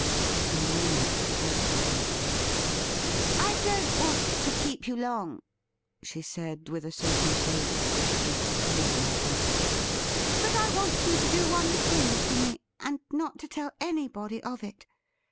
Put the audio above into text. In a moment Gertrude entered. ' I don't want to keep you long,' she said, with a certain vague suggestion of scorn in her voice ;' but I want you to do one thing for me, and not to tell anybody of it.